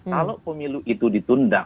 kalau pemilu itu ditunda